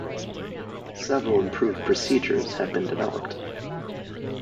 Several improved procedures have been developed.